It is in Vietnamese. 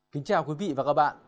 kính chào quý vị và các bạn